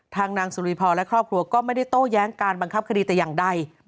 นางสุริพรและครอบครัวก็ไม่ได้โต้แย้งการบังคับคดีแต่อย่างใด